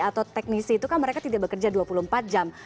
atau teknisi itu kan mereka tidak bekerja dua puluh empat jam